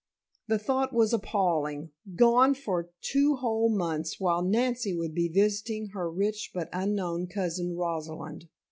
The thought was appalling. Gone for two whole months while Nancy would be visiting her rich but unknown cousin Rosalind.